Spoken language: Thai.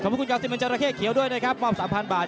ขอบคุณกาวซิเมนจราเข้เขียวด้วยนะครับมอบ๓๐๐บาท